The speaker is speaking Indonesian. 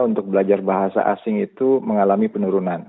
untuk belajar bahasa asing itu mengalami penurunan